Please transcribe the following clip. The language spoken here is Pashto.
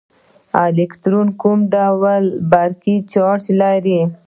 الکترون کوم ډول برقي چارچ لري.